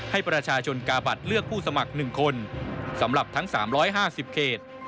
ให้ประชาชนกาบัตรเลือกผู้สมัคร๑คนสำหรับทั้ง๓๕๐เขต